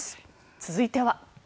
続いては。